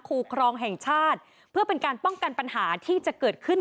คูครองแห่งชาติเพื่อเป็นการป้องกันปัญหาที่จะเกิดขึ้น